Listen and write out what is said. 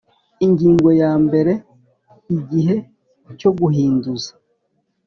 Ingingo ya mbere Igihe cyo guhinduza